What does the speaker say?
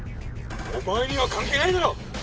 お前には関係ないだろ。